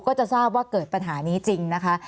ก็จะทราบว่าเกิดปัญหานี้จริงนะคะ